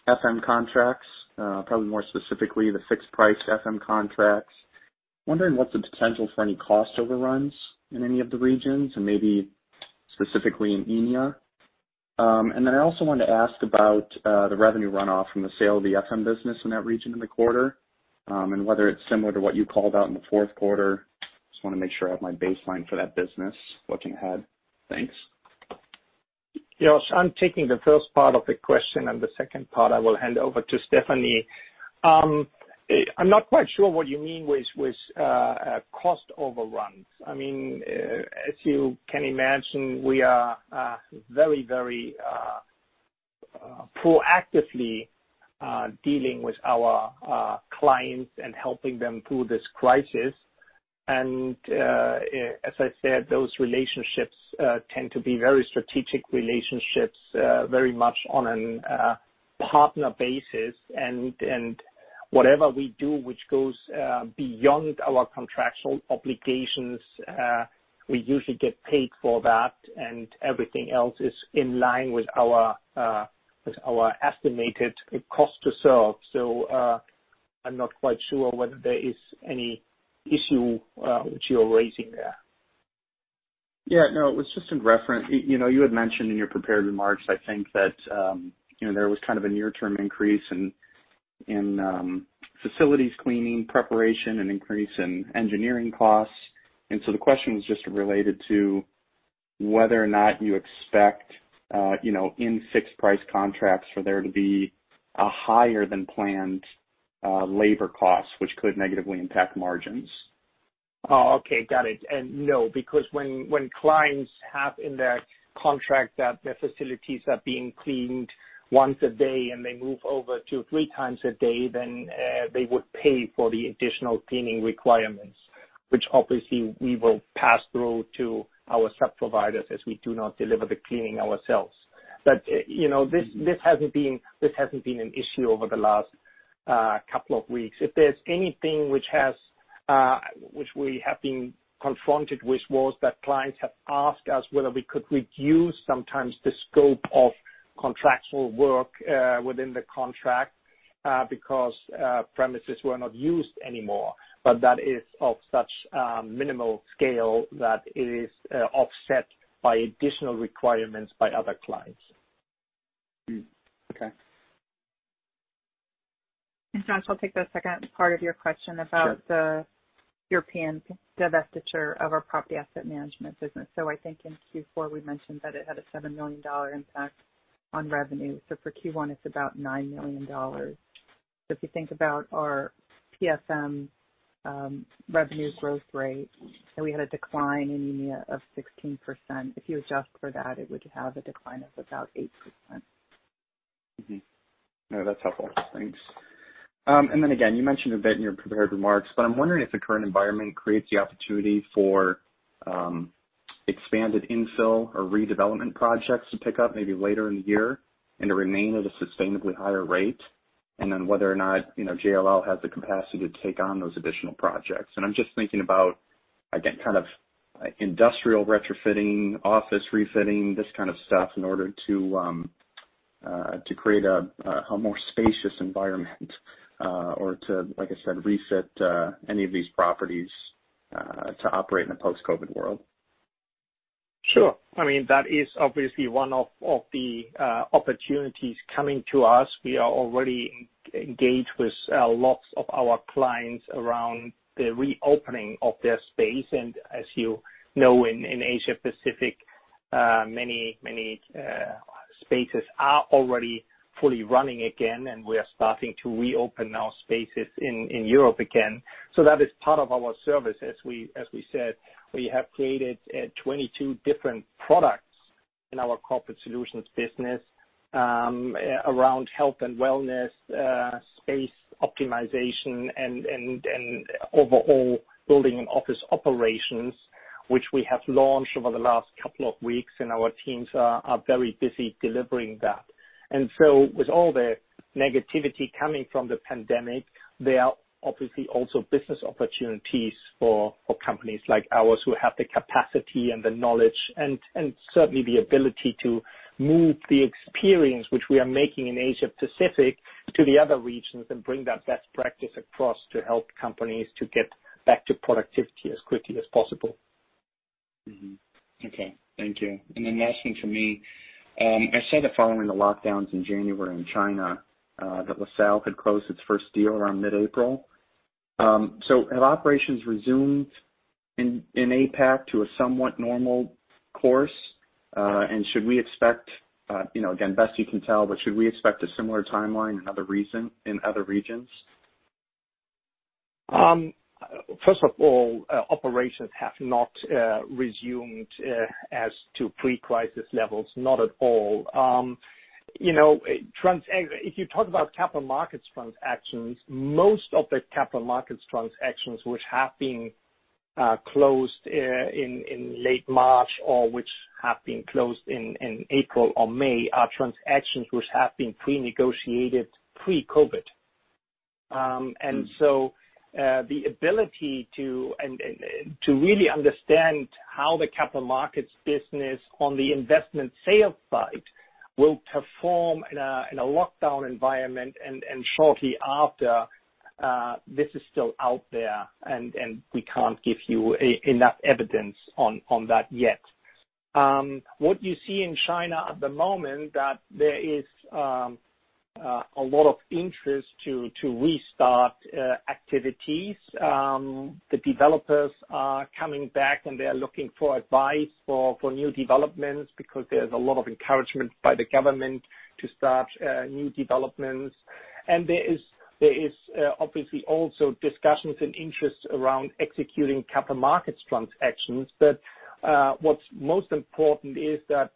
FM contracts, probably more specifically the fixed price FM contracts, wondering what's the potential for any cost overruns in any of the regions, and maybe specifically in EMEA. I also wanted to ask about the revenue runoff from the sale of the FM business in that region in the quarter, and whether it's similar to what you called out in the fourth quarter. Just want to make sure I have my baseline for that business looking ahead. Thanks. Josh, I'm taking the first part of the question, and the second part I will hand over to Stephanie. I'm not quite sure what you mean with cost overruns. As you can imagine, we are very proactively dealing with our clients and helping them through this crisis. As I said, those relationships tend to be very strategic relationships, very much on a partner basis. Whatever we do, which goes beyond our contractual obligations, we usually get paid for that, and everything else is in line with our estimated cost to serve. I'm not quite sure whether there is any issue which you're raising there. Yeah, no. It was just in reference, you had mentioned in your prepared remarks, I think that there was kind of a near-term increase in facilities cleaning preparation and increase in engineering costs. The question was just related to whether or not you expect, in fixed price contracts, for there to be a higher than planned labor cost, which could negatively impact margins. Oh, okay. Got it. No, because when clients have in their contract that their facilities are being cleaned once a day and they move over to three times a day, then they would pay for the additional cleaning requirements, which obviously we will pass through to our sub-providers as we do not deliver the cleaning ourselves. This hasn't been an issue over the last couple of weeks. If there's anything which we have been confronted with was that clients have asked us whether we could reduce sometimes the scope of contractual work within the contract because premises were not used anymore. That is of such minimal scale that it is offset by additional requirements by other clients. Okay. Josh, I'll take the second part of your question about. Sure European divestiture of our property asset management business. I think in Q4, we mentioned that it had a $7 million impact on revenue. For Q1, it's about $9 million. If you think about our IFM revenue growth rate, and we had a decline in EMEA of 16%, if you adjust for that, it would have a decline of about 8%. No, that's helpful. Thanks. Again, you mentioned a bit in your prepared remarks, but I'm wondering if the current environment creates the opportunity for expanded infill or redevelopment projects to pick up maybe later in the year and to remain at a sustainably higher rate, and then whether or not JLL has the capacity to take on those additional projects. I'm just thinking about, again, kind of industrial retrofitting, office refitting, this kind of stuff in order to create a more spacious environment or to, like I said, reset any of these properties to operate in a post-COVID world. Sure. That is obviously one of the opportunities coming to us. We are already engaged with lots of our clients around the reopening of their space. As you know, in Asia Pacific, many spaces are already fully running again, and we are starting to reopen our spaces in Europe again. That is part of our service. As we said, we have created 22 different products in our Corporate Solutions business around health and wellness, space optimization, and overall building and office operations, which we have launched over the last couple of weeks, and our teams are very busy delivering that. With all the negativity coming from the pandemic, there are obviously also business opportunities for companies like ours who have the capacity and the knowledge and certainly the ability to move the experience which we are making in Asia Pacific to the other regions and bring that best practice across to help companies to get back to productivity as quickly as possible. Okay. Thank you. Last thing from me, I saw the following, the lockdowns in January in China, that LaSalle had closed its first deal around mid-April. Have operations resumed in APAC to a somewhat normal course? Should we expect, again, best you can tell, but should we expect a similar timeline in other regions? First of all, operations have not resumed as to pre-crisis levels. Not at all. If you talk about capital markets transactions, most of the capital markets transactions which have been closed in late March or which have been closed in April or May are transactions which have been pre-negotiated pre-COVID. The ability to really understand how the capital markets business on the investment sales side will perform in a lockdown environment and shortly after, this is still out there, and we can't give you enough evidence on that yet. What you see in China at the moment, that there is a lot of interest to restart activities. The developers are coming back, and they are looking for advice for new developments because there's a lot of encouragement by the government to start new developments. There is obviously also discussions and interests around executing capital markets transactions. What's most important is that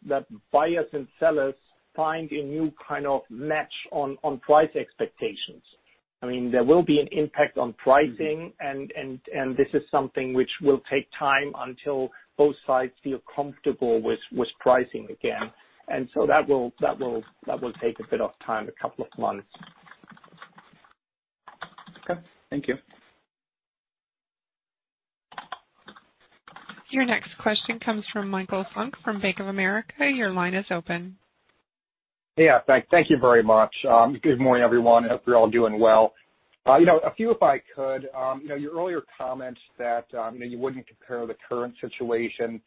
buyers and sellers find a new kind of match on price expectations. There will be an impact on pricing, and this is something which will take time until both sides feel comfortable with pricing again. That will take a bit of time, a couple of months. Okay. Thank you. Your next question comes from Michael Funk from Bank of America. Your line is open. Yeah. Thank you very much. Good morning, everyone. Hope you're all doing well. A few, if I could. Your earlier comments that you wouldn't compare the current situation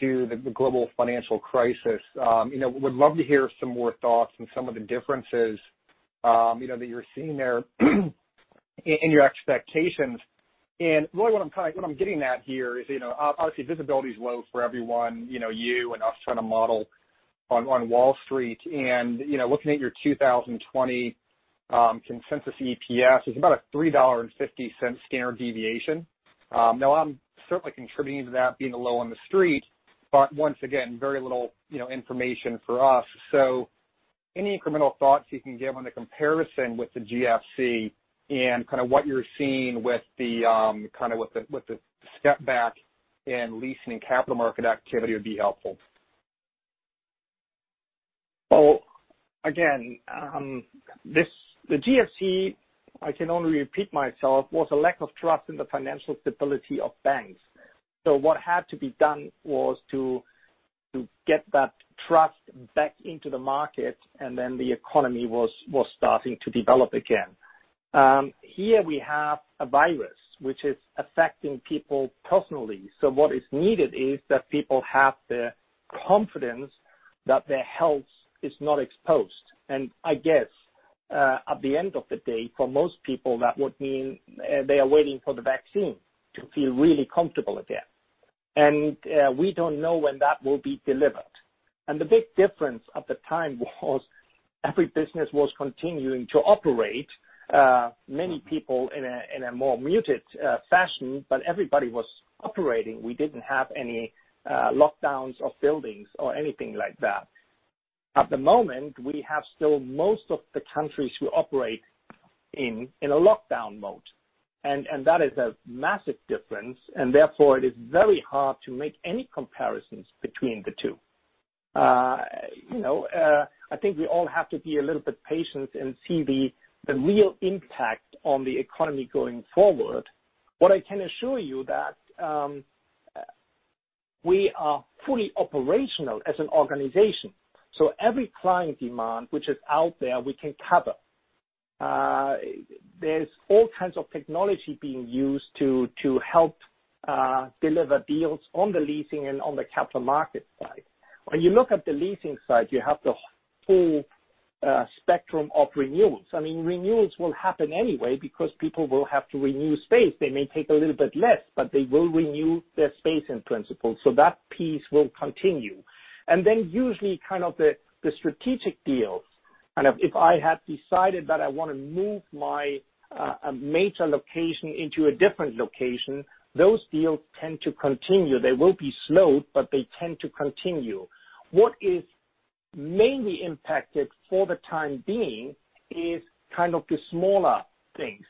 to the global financial crisis. Would love to hear some more thoughts on some of the differences that you're seeing there in your expectations. Really what I'm getting at here is, obviously visibility is low for everyone, you and us trying to model on Wall Street. Looking at your 2020 consensus EPS, it's about a $3.50 standard deviation. Now I'm certainly contributing to that being low on the Street, but once again, very little information for us. Any incremental thoughts you can give on the comparison with the GFC and kind of what you're seeing with the step back in leasing and capital market activity would be helpful. Well, again, the GFC, I can only repeat myself, was a lack of trust in the financial stability of banks. What had to be done was to get that trust back into the market, and then the economy was starting to develop again. Here we have a virus which is affecting people personally. What is needed is that people have the confidence that their health is not exposed. I guess, at the end of the day, for most people, that would mean they are waiting for the vaccine to feel really comfortable again. We don't know when that will be delivered. The big difference at the time was every business was continuing to operate. Many people in a more muted fashion, but everybody was operating. We didn't have any lockdowns of buildings or anything like that. At the moment, we have still most of the countries who operate in a lockdown mode, and that is a massive difference, and therefore it is very hard to make any comparisons between the two. I think we all have to be a little bit patient and see the real impact on the economy going forward. What I can assure you that we are fully operational as an organization. Every client demand which is out there, we can cover. There's all kinds of technology being used to help deliver deals on the leasing and on the capital market side. When you look at the leasing side, you have the whole spectrum of renewals. Renewals will happen anyway because people will have to renew space. They may take a little bit less, but they will renew their space in principle. That piece will continue. Then usually kind of the strategic deals, kind of if I have decided that I want to move my major location into a different location, those deals tend to continue. They will be slowed, but they tend to continue. What is mainly impacted for the time being is kind of the smaller things.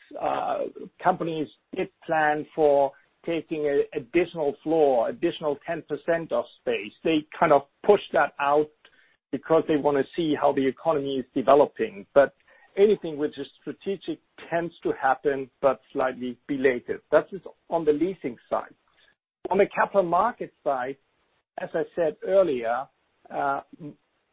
Companies did plan for taking an additional floor, additional 10% of space. They kind of push that out because they want to see how the economy is developing. Anything which is strategic tends to happen but slightly belated. That is on the leasing side. On the capital market side, as I said earlier,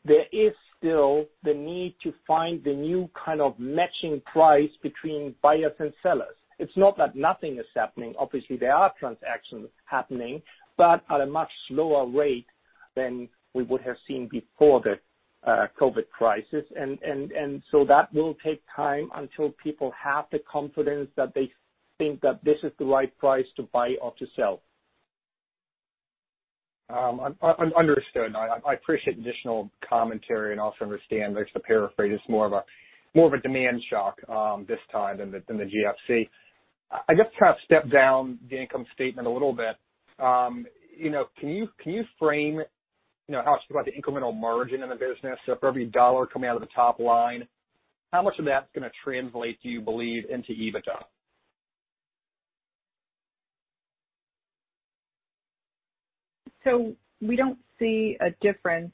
there is still the need to find the new kind of matching price between buyers and sellers. It's not that nothing is happening. Obviously, there are transactions happening, but at a much slower rate than we would have seen before the COVID crisis. That will take time until people have the confidence that they think that this is the right price to buy or to sell. Understood. I appreciate additional commentary and also understand there's the paraphrase. It's more of a demand shock this time than the GFC. I guess to kind of step down the income statement a little bit. Can you frame how it's about the incremental margin in the business? For every dollar coming out of the top line, how much of that is going to translate, do you believe, into EBITDA? We don't see a difference,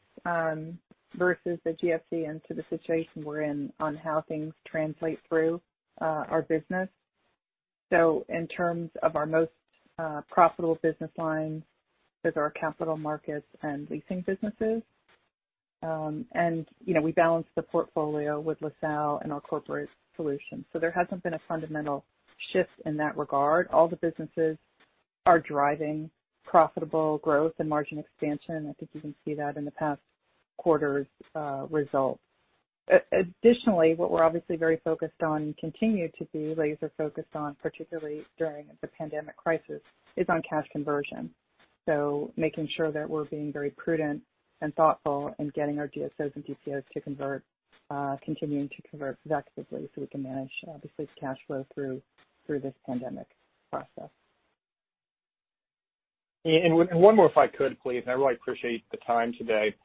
versus the GFC and to the situation we're in on how things translate through our business. In terms of our most profitable business lines is our capital markets and leasing businesses. We balance the portfolio with LaSalle and our corporate solutions. There hasn't been a fundamental shift in that regard. All the businesses are driving profitable growth and margin expansion. I think you can see that in the past quarter's results. Additionally, what we're obviously very focused on and continue to be laser focused on, particularly during the pandemic crisis, is on cash conversion. Making sure that we're being very prudent and thoughtful in getting our DSOs and DPOs to convert, continuing to convert effectively so we can manage, obviously, the cash flow through this pandemic process. One more, if I could, please. I really appreciate the time today.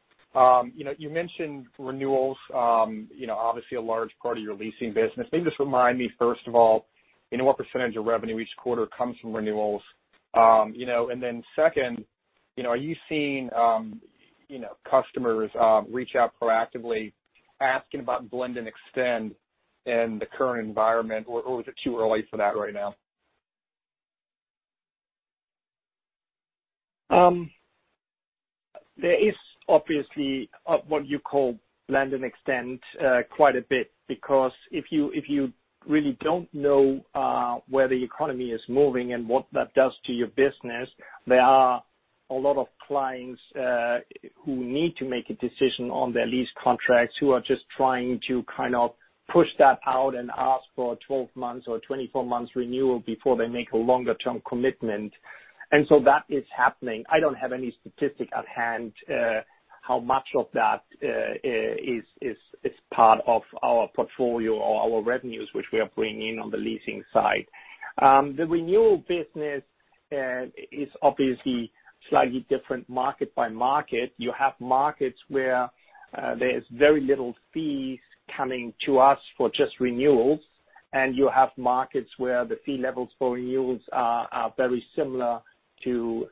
You mentioned renewals, obviously a large part of your leasing business. Maybe just remind me, first of all, what percentage of revenue each quarter comes from renewals. Then second-Are you seeing customers reach out proactively asking about blend and extend in the current environment, or is it too early for that right now? There is obviously what you call blend and extend quite a bit, because if you really don't know where the economy is moving and what that does to your business, there are a lot of clients who need to make a decision on their lease contracts, who are just trying to push that out and ask for 12 months or 24 months renewal before they make a longer-term commitment. That is happening. I don't have any statistic at hand how much of that is part of our portfolio or our revenues, which we are bringing on the leasing side. The renewal business is obviously slightly different market by market. You have markets where there's very little fees coming to us for just renewals, and you have markets where the fee levels for renewals are very similar to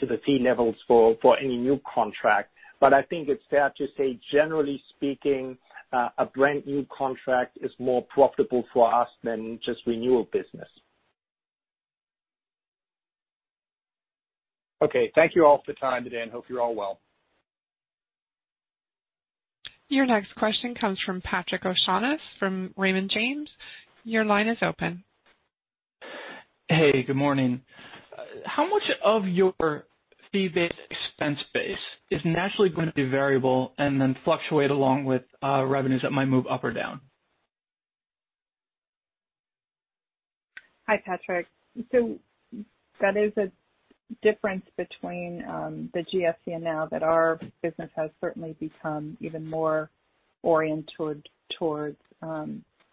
the fee levels for any new contract. I think it's fair to say, generally speaking, a brand new contract is more profitable for us than just renewal business. Okay. Thank you all for the time today, and hope you're all well. Your next question comes from Patrick O'Shaughnessy from Raymond James. Your line is open. Hey, good morning. How much of your fee-based expense base is naturally going to be variable and then fluctuate along with revenues that might move up or down? Hi, Patrick. That is a difference between the GFC and now that our business has certainly become even more oriented towards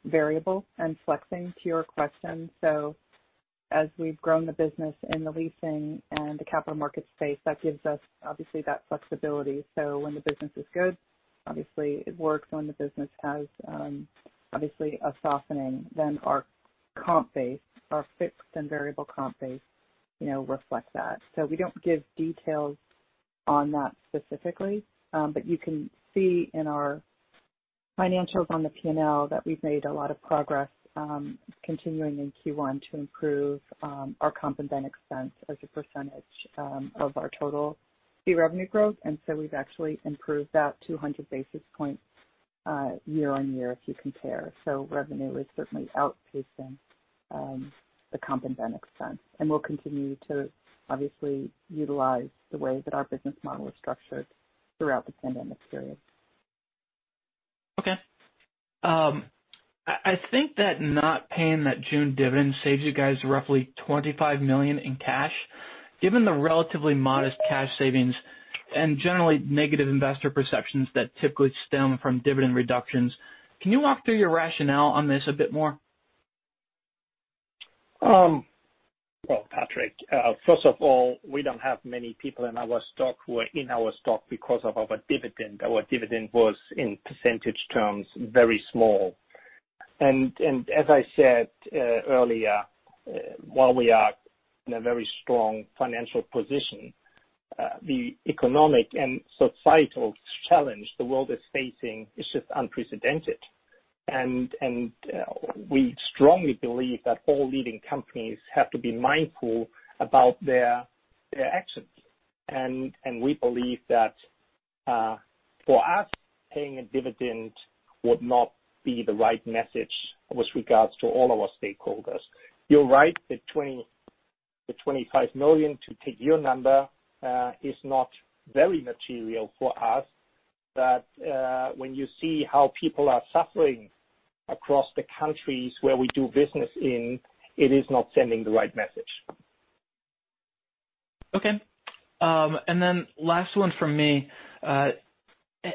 variable and flexing to your question. As we've grown the business in the leasing and the capital market space, that gives us obviously that flexibility. When the business is good, obviously it works. When the business has obviously a softening, then our comp base, our fixed and variable comp base reflects that. We don't give details on that specifically. You can see in our financials on the P&L that we've made a lot of progress, continuing in Q1 to improve our comp and then expense as a percentage of our total fee revenue growth. We've actually improved that 200 basis points year-on-year if you compare. Revenue is certainly outpacing the comp and then expense. We'll continue to obviously utilize the way that our business model is structured throughout the pandemic period. Okay. I think that not paying that June dividend saves you guys roughly $25 million in cash. Given the relatively modest cash savings and generally negative investor perceptions that typically stem from dividend reductions, can you walk through your rationale on this a bit more? Well, Patrick, first of all, we don't have many people in our stock who are in our stock because of our dividend. Our dividend was, in percentage terms, very small. As I said earlier, while we are in a very strong financial position, the economic and societal challenge the world is facing is just unprecedented. We strongly believe that all leading companies have to be mindful about their actions. We believe that, for us, paying a dividend would not be the right message with regards to all our stakeholders. You're right, the $25 million, to take your number, is not very material for us, but when you see how people are suffering across the countries where we do business in, it is not sending the right message. Okay. Last one from me.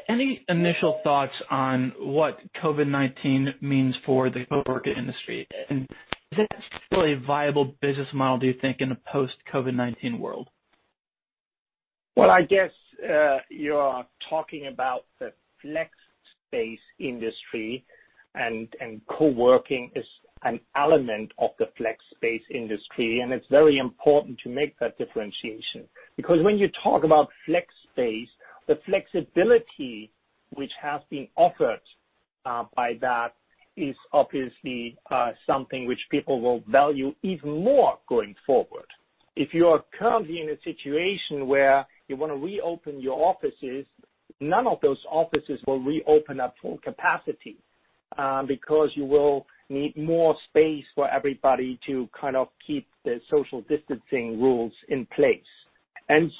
Any initial thoughts on what COVID-19 means for the coworking industry? Is it still a viable business model, do you think, in a post-COVID-19 world? Well, I guess, you are talking about the flex space industry, and coworking is an element of the flex space industry, and it's very important to make that differentiation. When you talk about flex space, the flexibility which has been offered by that is obviously something which people will value even more going forward. If you are currently in a situation where you want to reopen your offices, none of those offices will reopen at full capacity, because you will need more space for everybody to keep the social distancing rules in place.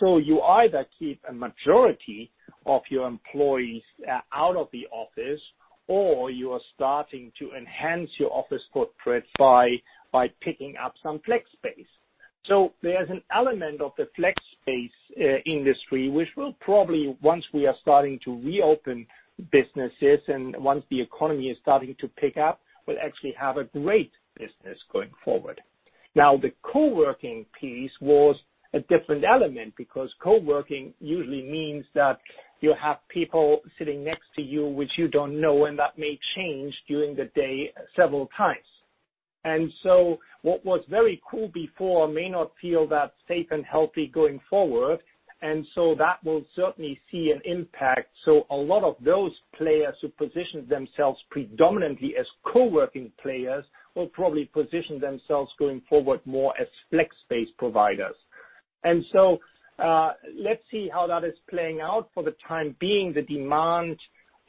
You either keep a majority of your employees out of the office, or you are starting to enhance your office footprint by picking up some flex space. There's an element of the flex space industry which will probably, once we are starting to reopen businesses and once the economy is starting to pick up, will actually have a great business going forward. The coworking piece was a different element, because coworking usually means that you have people sitting next to you which you don't know, and that may change during the day several times. What was very cool before may not feel that safe and healthy going forward. That will certainly see an impact. A lot of those players who positioned themselves predominantly as co-working players will probably position themselves going forward more as flex space providers. Let's see how that is playing out. For the time being, the demand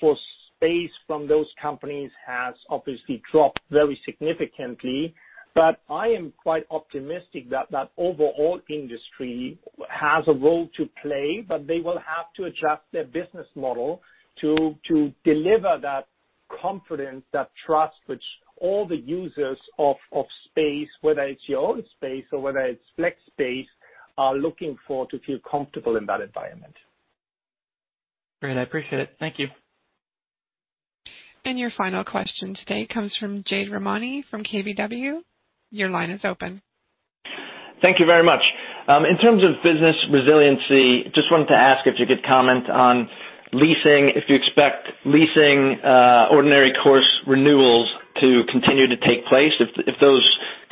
for space from those companies has obviously dropped very significantly. I am quite optimistic that overall industry has a role to play, but they will have to adjust their business model to deliver that confidence, that trust, which all the users of space, whether it's your own space or whether it's flex space, are looking for to feel comfortable in that environment. Great, I appreciate it. Thank you. Your final question today comes from Jade Rahmani from KBW. Your line is open. Thank you very much. In terms of business resiliency, just wanted to ask if you could comment on leasing, if you expect leasing ordinary course renewals to continue to take place, if those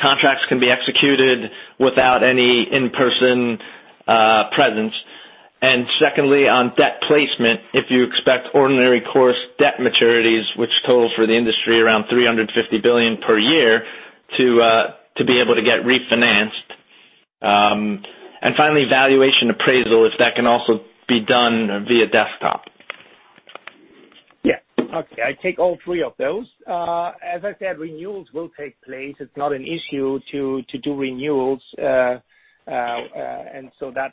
contracts can be executed without any in-person presence. Secondly, on debt placement, if you expect ordinary course debt maturities, which totals for the industry around $350 billion per year, to be able to get refinanced. Finally, valuation appraisal, if that can also be done via desktop. Yeah. Okay. I take all three of those. As I said, renewals will take place. It's not an issue to do renewals. That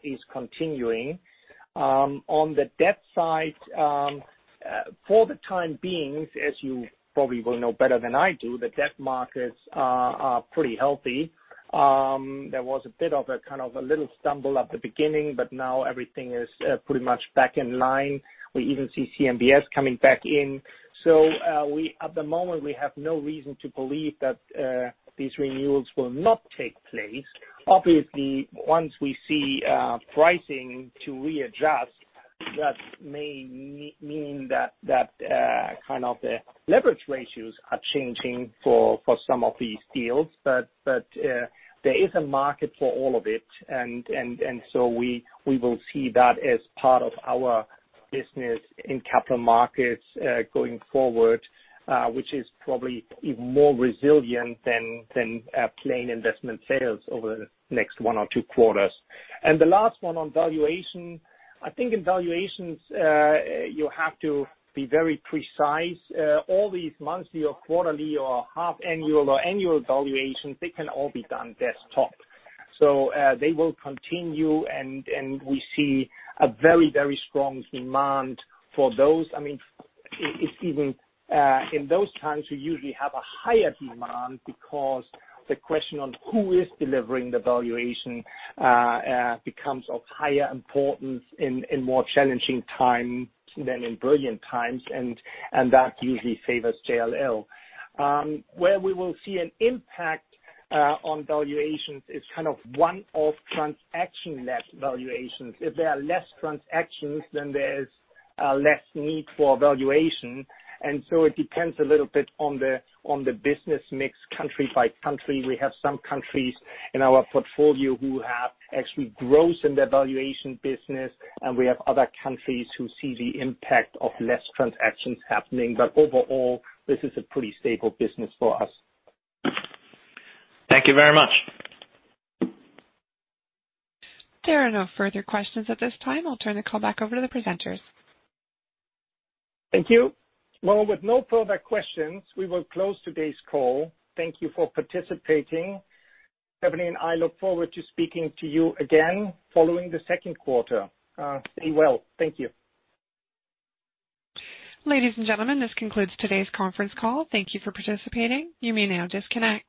is continuing. On the debt side, for the time being, as you probably will know better than I do, the debt markets are pretty healthy. There was a bit of a little stumble at the beginning, but now everything is pretty much back in line. We even see CMBS coming back in. At the moment, we have no reason to believe that these renewals will not take place. Obviously, once we see pricing to readjust, that may mean that the leverage ratios are changing for some of these deals. There is a market for all of it. We will see that as part of our business in capital markets, going forward, which is probably even more resilient than plain investment sales over the next one or two quarters. The last one on valuation. I think in valuations, you have to be very precise. All these monthly or quarterly or half annual or annual valuations, they can all be done desktop. They will continue, and we see a very strong demand for those. It's even in those times, we usually have a higher demand because the question on who is delivering the valuation becomes of higher importance in more challenging times than in brilliant times. That usually favors JLL. Where we will see an impact on valuations is one-off transaction-less valuations. If there are less transactions, then there's less need for valuation. It depends a little bit on the business mix country by country. We have some countries in our portfolio who have actually growth in their valuation business, and we have other countries who see the impact of less transactions happening. Overall, this is a pretty stable business for us. Thank you very much. There are no further questions at this time. I'll turn the call back over to the presenters. Thank you. Well, with no further questions, we will close today's call. Thank you for participating. Stephanie and I look forward to speaking to you again following the second quarter. Stay well. Thank you. Ladies and gentlemen, this concludes today's conference call. Thank you for participating. You may now disconnect.